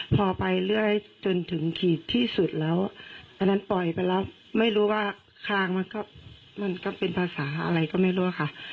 พอไปเรื่อยจนถึงขีดที่สุดแล้วอันนั้นปล่อยไปแล้วไม่รู้ว่าคางมันก็มันก็เป็นภาษาอะไรก็ไม่รู้ค่ะ